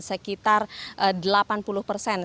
sekitar tiga orang